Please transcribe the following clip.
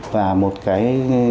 và một cái